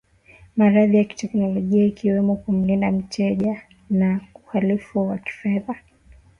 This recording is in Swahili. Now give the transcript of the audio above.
madhara ya kiteknolojia ikiwemo kumlinda mteja na uhalifu wa kifedha